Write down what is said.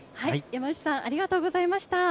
やまうちさん、ありがとうございました。